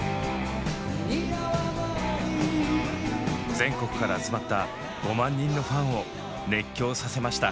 全国から集まった５万人のファンを熱狂させました。